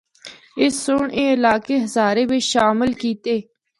اس سنڑ اے علاقے ہزارے بچ شامل کیتے۔